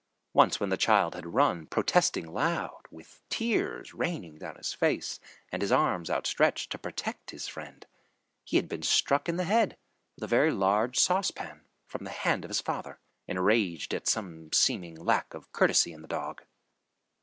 Once when the child had run, protesting loudly, with tears raining down his face and his arms outstretched, to protect his friend, he had been struck in the head with a very large saucepan from the hand of his father, enraged at some seeming lack of courtesy in the dog.